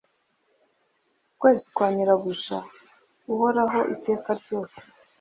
Ukwezi kwa nyirabuja uhoraho iteka ryose,